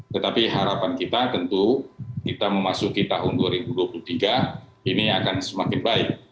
tetapi harapan kita tentu kita memasuki tahun dua ribu dua puluh tiga ini akan semakin baik